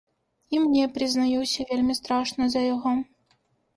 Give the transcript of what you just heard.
І мне прызнаюся вельмі страшна за яго.